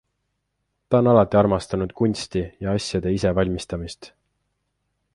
Ta on alati armastanud kunsti ja asjade ise valmistamist.